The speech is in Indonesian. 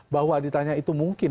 bahwa ditanya itu mungkin